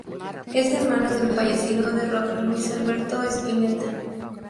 Es hermano del fallecido músico de rock Luis Alberto Spinetta.